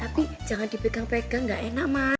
tapi jangan dipegang pegang gak enak mas